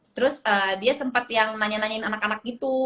terus dia sempat yang nanya nanyain anak anak gitu